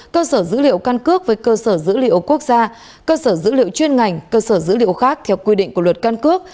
cơ sở dữ liệu căn cước với cơ sở dữ liệu quốc gia cơ sở dữ liệu chuyên ngành cơ sở dữ liệu khác theo quy định của luật căn cước